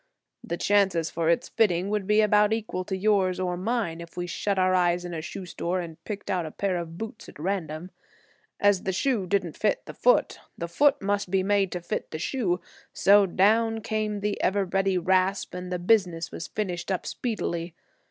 The chances for its fitting would be about equal to yours or mine if we shut our eyes in a shoe store and picked out a pair of boots at random. As the shoe didn't fit the foot, the foot must be made to fit the shoe, so down came the ever ready rasp, and the business was finished up speedily.